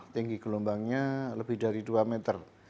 tinggi gelombangnya lebih dari dua meter